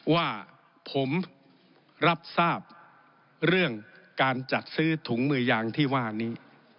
ว่าผมรับทราบเรื่องการจัดซื้อถุงมือยางที่ว่านี้